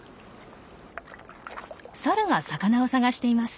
サルが魚を探しています。